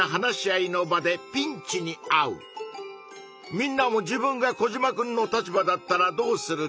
みんなも自分がコジマくんの立場だったらどうするか？